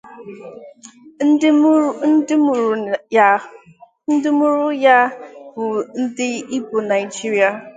Ndị mụrụ ya bụ ndị Igbo Naijiria.